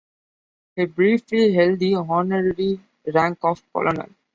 He briefly held the honorary rank of Colonel.